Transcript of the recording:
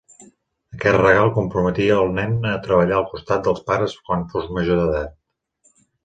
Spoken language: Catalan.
Aquest regal comprometia el nen a treballar al costat dels pares quan fos major d'edat.